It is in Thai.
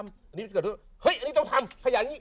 อันนี้มันจะเกิดเฮ้ยอันนี้ต้องทำขยายอย่างนี้